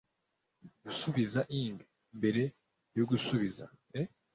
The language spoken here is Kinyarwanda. gusubiza img mbere yo gusubiza